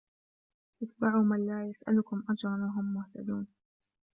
اتبعوا من لا يسألكم أجرا وهم مهتدون